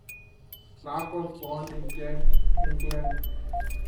Clarke was born in Kent, England.